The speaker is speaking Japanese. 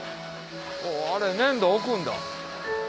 おあれ粘土置くんだ。